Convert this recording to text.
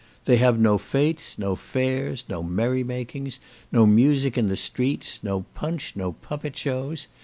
They have no fêtes, no fairs, no merry makings, no music in the streets, no Punch, no puppet shows.